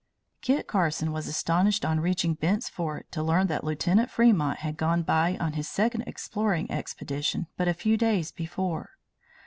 Kit Carson was astonished on reaching Bent's Fort to learn that Lieutenant Fremont had gone by on his second exploring expedition but a few days before.